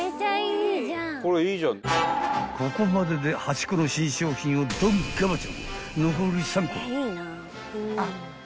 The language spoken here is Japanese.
［ここまでで８個の新商品をドンガバチョ］